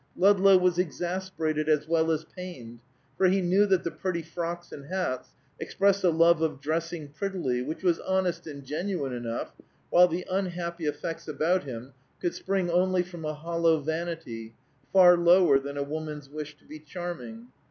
Ludlow was exasperated as well as pained, for he knew that the pretty frocks and hats expressed a love of dressing prettily, which was honest and genuine enough, while the unhappy effects about him could spring only from a hollow vanity far lower than a woman's wish to be charming.